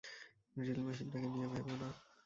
Drill মেশিনটাকে নিয়ে ভেবো না!